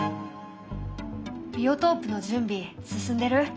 ビオトープの準備進んでる？